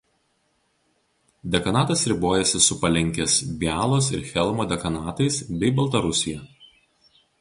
Dekanatas ribojasi su Palenkės Bialos ir Chelmo dekanatais bei Baltarusija.